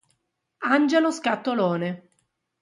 Angelo Scatolone